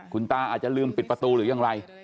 คุณตาอาจจะลืมปิดประตูหรือยังไร